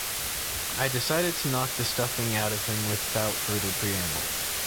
I decided to knock the stuffing out of him without further preamble.